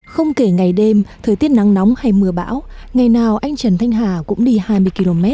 không kể ngày đêm thời tiết nắng nóng hay mưa bão ngày nào anh trần thanh hà cũng đi hai mươi km